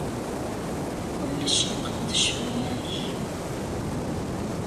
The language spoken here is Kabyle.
Kullec iqeddec fell-ak.